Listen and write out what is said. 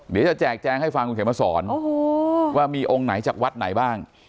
เดี๋ยวจะแจกแจงให้ฟังคุณเข็มมาสอนโอ้โหว่ามีองค์ไหนจากวัดไหนบ้าง